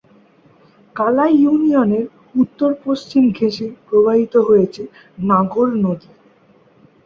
কালাই ইউনিয়নের উত্তর-পশ্চিম ঘেষে প্রবাহিত হয়েছে নাগর নদী।